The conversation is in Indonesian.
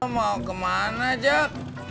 lo mau kemana jack